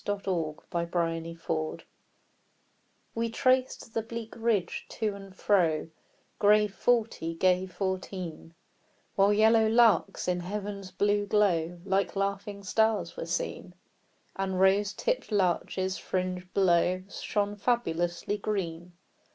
22 The Train of Life We traced the bleak ridge, to and fro, Grave forty, gay fourteen ; While yellow larks, in heaven's blue glow, Like laughing stars were seen, And rose tipp'd larches, fringed below, Shone fabulously green.